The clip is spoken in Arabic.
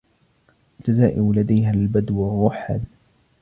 الجزائر لديها البدو الرحل